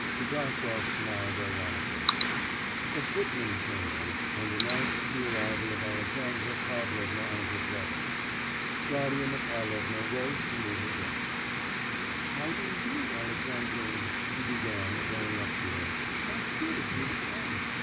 Pigasov smiled ironically. A footman came in and announced the arrival of Alexandra Pavlovna and her brother. Darya Mihailovna rose to meet her guests. 'How do you do, Alexandrine?' she began, going up to her, 'how good of you to come!...